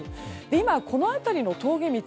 今この辺りの峠道